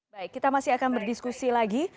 baik kita masih akan berdiskusi lagi